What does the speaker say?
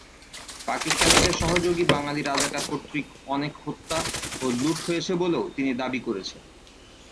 পাকিস্তানিদের সহযোগী বাঙালী রাজাকার কর্তৃক অনেক হত্যা ও লুঠ হয়েছে বলেও তিনি দাবি করেছেন।